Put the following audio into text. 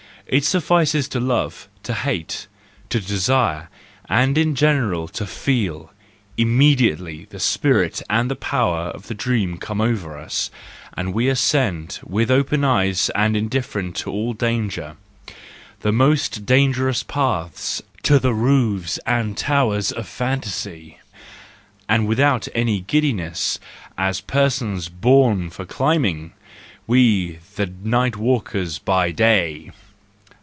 It suffices to love, to hate, to desire, and in general to feel ,—immediately the spirit and the power of the dream come over us, and we ascend, with open eyes and indifferent to all danger, the most dangerous paths, to the roofs and towers of fantasy, and without any giddiness, as persons born for climbing—we the night walkers by day!